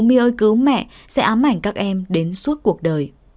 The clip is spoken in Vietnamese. nơi ơi cứu mẹ sẽ ám ảnh các em đến suốt cuộc đời